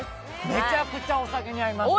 めちゃくちゃお酒に合います。